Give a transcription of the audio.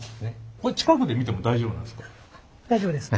これ近くで見ても大丈夫なんですか？